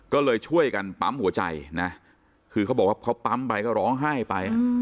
ก็เลยช่วยกันปั๊มหัวใจนะคือเขาบอกว่าเขาปั๊มไปก็ร้องไห้ไป